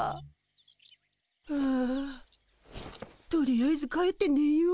あとりあえず帰ってねよう。